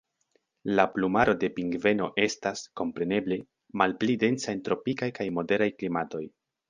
La plumaro de pingveno estas, kompreneble, malpli densa en tropikaj kaj moderaj klimatoj.